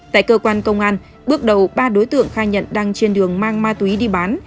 tại cơ quan công an bước đầu ba đối tượng khai nhận đang trên đường mang ma túy đi bán